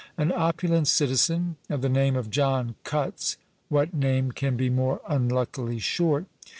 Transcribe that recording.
An opulent citizen of the name of John Cuts (what name can be more unluckily short?)